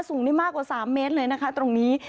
สูงได้มากกว่า๓เมตรเลยนะคะตรงนี้